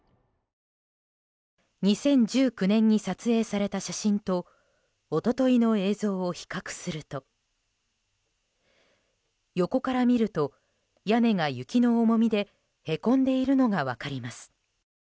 ２０１９年に撮影された写真と一昨日の映像を比較すると横から見ると、屋根が雪の重みでへこんでいるのが分かります。